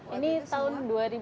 ini tahun dua ribu enam belas